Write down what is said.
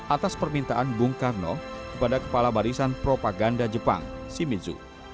atas permintaan bung karno kepada kepala barisan propaganda jepang si minzoo